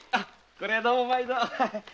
こりゃどうも毎度。